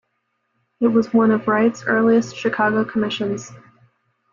It was one of Wright's earliest Chicago commissions.